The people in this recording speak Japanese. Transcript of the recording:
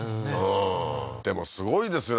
うんでもすごいですよね